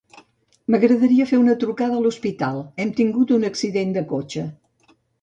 M'agradaria fer una trucada a l'hospital; hem tingut un accident de cotxe.